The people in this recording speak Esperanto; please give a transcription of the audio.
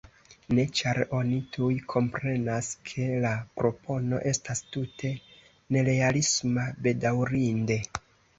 Ne, ĉar oni tuj komprenas, ke la propono estas tute nerealisma - bedaŭrinde.